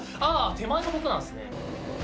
手前が僕なんですね。